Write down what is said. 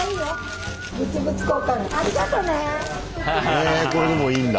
えこれでもいいんだ。